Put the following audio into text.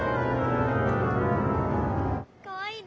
かわいいね。